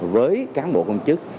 với cán bộ công chức